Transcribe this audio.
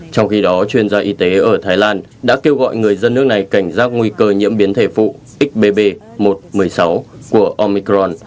trong khi đó chuyên gia y tế ở thái lan đã kêu gọi người dân nước này cảnh giác nguy cơ nhiễm biến thể phụ xbb một trăm một mươi sáu của omicron